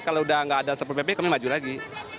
kalau udah nggak ada satpol pp kami maju lagi